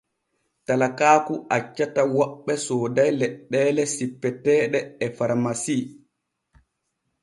Talakaaku accata woɓɓe sooday leɗɗeele sippeteeɗe e faramasi.